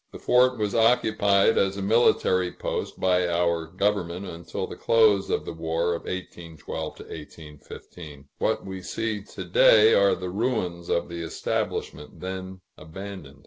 The fort was occupied as a military post by our government until the close of the War of 1812 15; what we see to day, are the ruins of the establishment then abandoned.